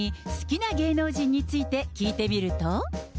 さらに、好きな芸能人について聞いてみると。